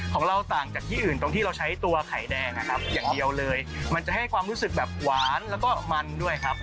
ของเราต่างจากที่อื่นตรงที่เราใช้ตัวไข่แดงนะครับอย่างเดียวเลยมันจะให้ความรู้สึกแบบหวานแล้วก็มันด้วยครับ